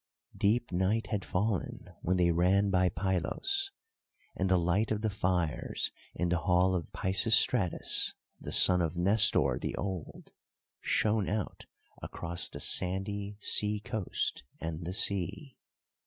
Deep night had fallen when they ran by Pylos; and the light of the fires in the hall of Pisistratus, the son of Nestor the Old, shone out across the sandy sea coast and the sea.